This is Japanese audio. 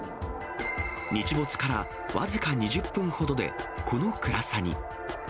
日没から僅か２０分ほどでこの暗さに。